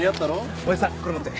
親父さんこれ持って。